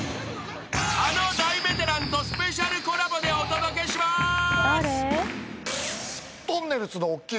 ［あの大ベテランとスペシャルコラボでお届けします］